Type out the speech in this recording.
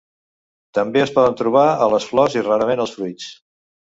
També es poden trobar a les flors i, rarament, als fruits.